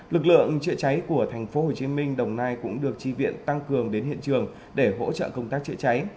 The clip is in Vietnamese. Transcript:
lực lượng chữa cháy của tp hcm đồng nai cũng được tri viện tăng cường đến hiện trường để hỗ trợ công tác chữa cháy